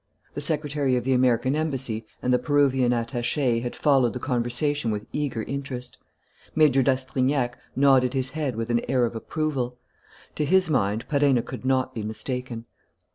The Secretary of the American Embassy and the Peruvian attaché had followed the conversation with eager interest. Major d'Astrignac nodded his head with an air of approval. To his mind, Perenna could not be mistaken.